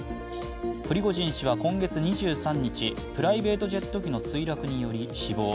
プリゴジン氏は今月２３日、プライベートジェット機の墜落により死亡。